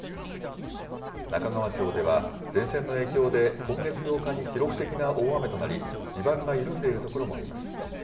中川町では前線の影響で、今月８日に記録的な大雨となり、地盤が緩んでいる所もあります。